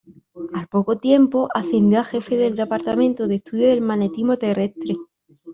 Al poco tiempo ascendió a jefe del departamento de "Estudio del Magnetismo Terrestre".